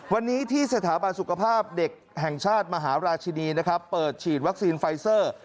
วันนี้ที่สถาบันสุขภาพเด็กแห่งชาติมหาราชินีนะครับเปิดฉีดวัคซีนไฟเซอร์